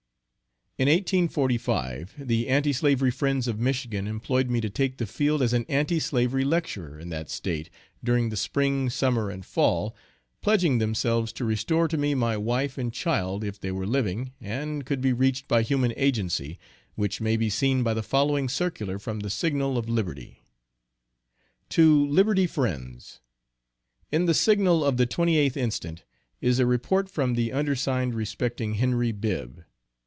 In 1845, the anti slavery friends of Michigan employed me to take the field as an anti slavery Lecturer, in that State, during the Spring, Summer, and Fall, pledging themselves to restore to me my wife and child, if they were living, and could be reached by human agency, which may be seen by the following circular from the Signal of Liberty: TO LIBERTY FRIENDS: In the Signal of the 28th inst. is a report from the undersigned respecting Henry Bibb.